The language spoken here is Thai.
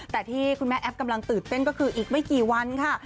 แต่ที่คุณแม่แอฟกำลังตื่นเต้นก็คืออีกไม่กี่วันค่ะ